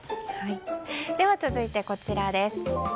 では、続いてこちらです。